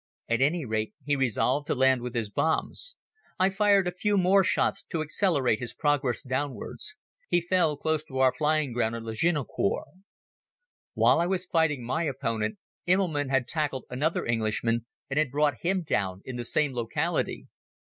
At any rate he resolved to land with his bombs. I fired a few more shots to accelerate his progress downwards. He fell close to our flying ground at Lagnicourt. While I was fighting my opponent, Immelmann had tackled another Englishman and had brought him down in the same locality.